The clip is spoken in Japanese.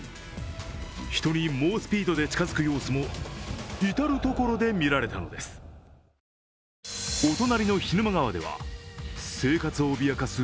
人に猛スピードで近づく様子も至る所で見られたのです。